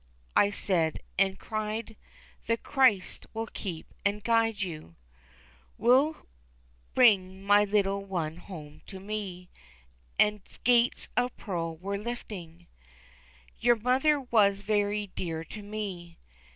I said, an' cried "The Christ will keep an' guide her," "Will bring my little one home to me, As gates of pearl were lifting." Your mother was very dear to me.